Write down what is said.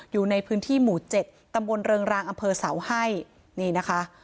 อยู่ในพื้นที่หมู่เจ็ดตำบลเริงรางอำเภอเสาให้นี่นะคะ